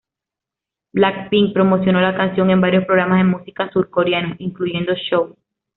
Black Pink promocionó la canción en varios programas de música surcoreanos, incluyendo "Show!